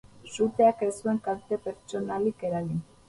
Suteak ez zuen kalte pertsonalik eragin.